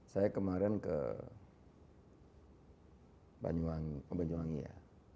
saya kemarin ke banyuwangi ya